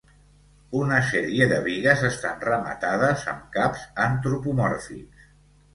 Una sèrie de bigues estan rematades amb caps antropomòrfics.